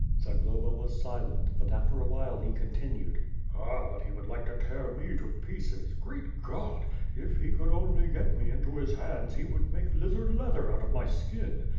Zagloba was silent, but after awhile he continued: "Ah! but he would like to tear me to pieces — Great God! if he could only get me into his hands he would make lizard leather out of my skin.